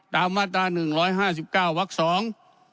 มาตราหนึ่งร้อยห้าสิบเก้าวักสอง